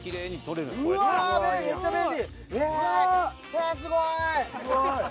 ええすごい。